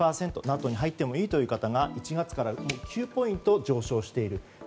ＮＡＴＯに入ってもいいという方が１月から９ポイント上昇していると。